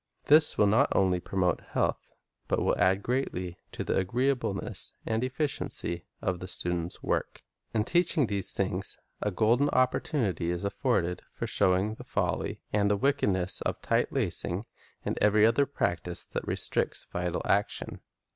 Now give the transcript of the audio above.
This will not only promote health, but will add greatly to the agreeableness and efficiency of the student's work. In teaching these things a golden opportunity is afforded for showing the folly and wickedness of tight lacing, and every other practise that restricts vital action.